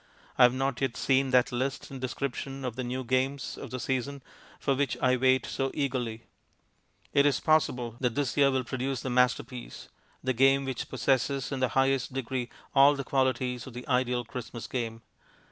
I have not yet seen that list and description of the new games of the season for which I wait so eagerly. It is possible that this year will produce the masterpiece the game which possesses in the highest degree all the qualities of the ideal Christmas game.